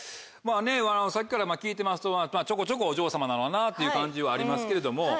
まぁねさっきから聞いてますとちょこちょこお嬢様なのかなっていう感じはありますけれども。